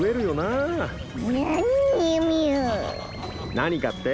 何かって？